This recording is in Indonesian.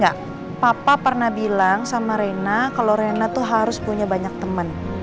karena bilang sama rena kalau rena tuh harus punya banyak temen